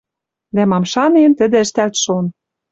Дӓ мам шанен, тӹдӹ ӹштӓлт шон...